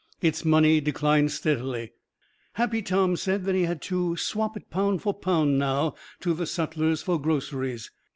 Its money declined steadily. Happy Tom said that he had to "swap it pound for pound now to the sutlers for groceries."